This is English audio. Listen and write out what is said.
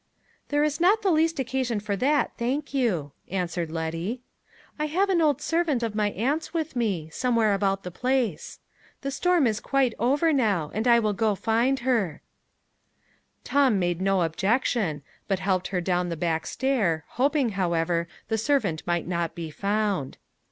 "There is not the least occasion for that, thank you," answered Letty. "I have an old servant of my aunt's with me somewhere about the place. The storm is quite over now: I will go and find her." Tom made no objection, but helped her down the dark stair, hoping, however, the servant might not be found.